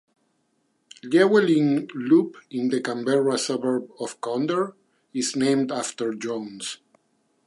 Llewellyn Loop in the Canberra suburb of Conder is named after Jones.